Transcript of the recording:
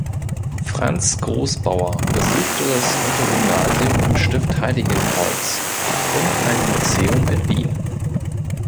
Franz Großbauer besuchte das Untergymnasium im Stift Heiligenkreuz und ein Lyzeum in Wien.